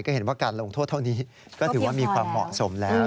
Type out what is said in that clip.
ก็เห็นว่าการลงโทษเท่านี้ก็ถือว่ามีความเหมาะสมแล้ว